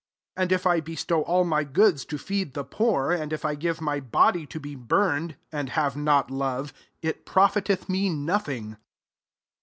3 And if I bestow all my goods to feed the poor, and if I give my body to be burned, and have not love, it profiteth me nothing.